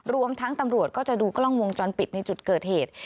รวมทั้งตำรวจก็จะดูกล้องวงจรปิดในจุดเกิดเหตุ